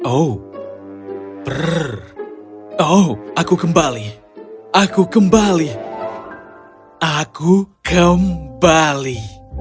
oh perr oh aku kembali aku kembali aku kembali